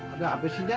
ada apa sih ya